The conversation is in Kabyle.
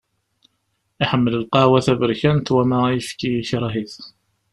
Iḥemmel lqahwa taberkant, wama ayefki ikreh-it.